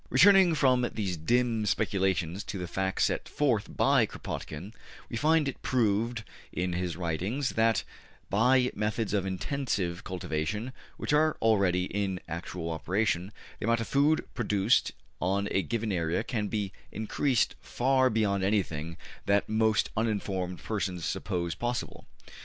Returning from these dim speculations to the facts set forth by Kropotkin, we find it proved in his writings that, by methods of intensive cultivation, which are already in actual operation, the amount of food produced on a given area can be increased far beyond anything that most uninformed persons suppose possible.